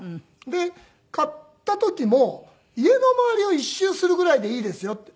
で飼った時も「家の周りを１周するぐらいでいいですよ」って。